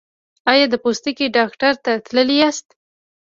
ایا د پوستکي ډاکټر ته تللي یاست؟